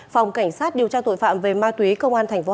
phòng cảnh sát điều tra tội phạm về ma túy công an tp hcm chủ trì